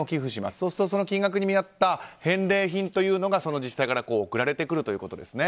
そうすると、その金額に見合った返礼品というのが自治体から送られてくるということですね。